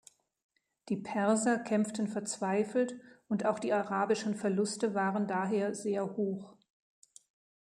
Die Perser kämpften verzweifelt, und auch die arabischen Verluste waren daher sehr hoch.